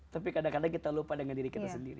tapi kadang kadang kita lupa dengan diri kita sendiri